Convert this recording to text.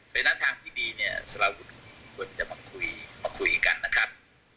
เป็นนักทางที่ดีเนี่ยสารวุฒิมีคนจะมาคุยกันนะครับ